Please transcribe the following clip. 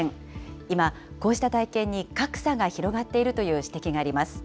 今、こうした体験に格差が広がっているという指摘があります。